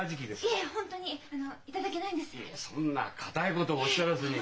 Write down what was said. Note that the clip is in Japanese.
いえそんな硬いことをおっしゃらずに。